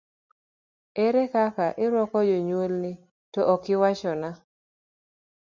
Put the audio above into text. Ere kaka irwako jonyuolni, to okiwachona?